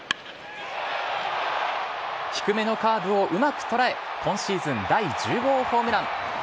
低めのカーブをうまく捉え、今シーズン第１０号ホームラン。